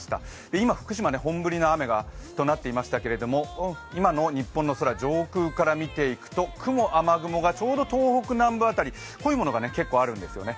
今、福島、本降りの雨となっていましたけれども今の日本の空、上空から見ていくと、雲、雨雲がちょうど東北南部辺り、濃いものがあるんですよね。